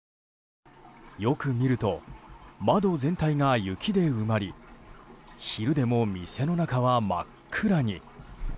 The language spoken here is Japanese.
よく見ると、窓全体が雪で埋まり昼でも店の中は真っ暗に。